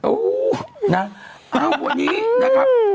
โอ้โฮนะเอ้าวันนี้นะครับ